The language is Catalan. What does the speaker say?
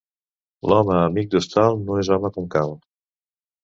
L'home amic d'hostal no és home com cal.